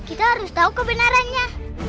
kita harus tau kebenarannya